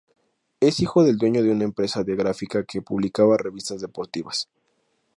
Es hijo del dueño de una empresa de gráfica que publicaba revistas deportivas.